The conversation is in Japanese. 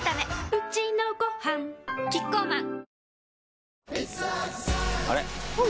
うちのごはんキッコーマン